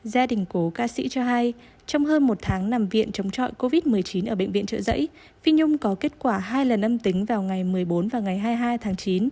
gia đình cố ca sĩ cho hay trong hơn một tháng nằm viện chống trọi covid một mươi chín ở bệnh viện trợ giấy phi nhung có kết quả hai lần âm tính vào ngày một mươi bốn và ngày hai mươi hai tháng chín